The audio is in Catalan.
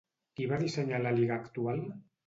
Qui va dissenyar l'Àliga actual?